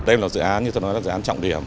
tên là dự án như tôi nói là dự án trọng điểm